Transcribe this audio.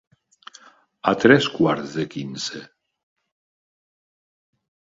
A tres quarts de quinze.